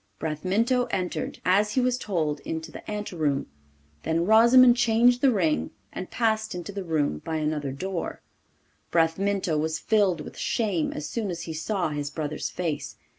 Bramintho entered, as he was told, into the anteroom. Then Rosimond changed the ring, and passed into the room by another door. Bramintho was filled with shame as soon as he saw his brother's face.